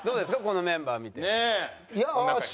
このメンバー見て。